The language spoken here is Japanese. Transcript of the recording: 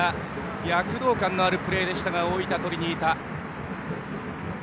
躍動感のあるプレーでした大分トリニータ。